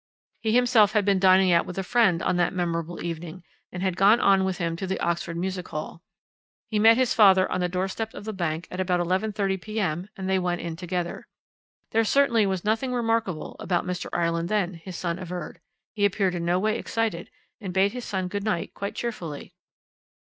He himself had been dining out with a friend on that memorable evening, and had gone on with him to the Oxford Music Hall. He met his father on the doorstep of the bank at about 11.30 p.m. and they went in together. There certainly was nothing remarkable about Mr. Ireland then, his son averred; he appeared in no way excited, and bade his son good night quite cheerfully.